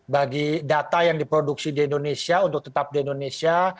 bagi data yang diproduksi di indonesia untuk tetap di indonesia